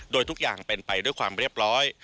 โดยทุกอย่างเป็นไปด้วยความเรียบร้อย